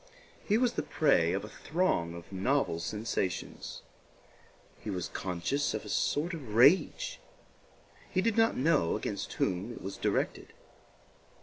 He was the prey of a throng of novel sensations. He was conscious of a sort of rage; he did not know against whom it was directed.